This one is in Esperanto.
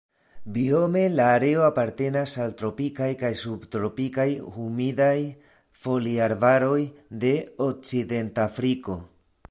Biome la areo apartenas al tropikaj kaj subtropikaj humidaj foliarbaroj de Okcidentafriko.